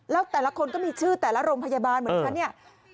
แล้วแต่ละคนก็มีชื่อแต่ละโรงพยาบาลเหมือนฉันเนี่ย